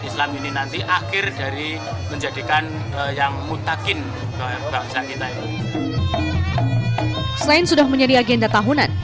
selain sudah menjadi agenda tahunan